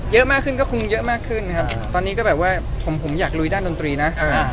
เยอะมากขึ้นก็คงเยอะมากขึ้นนะครับตอนนี้ก็แบบว่าผมผมอยากลุยด้านดนตรีนะ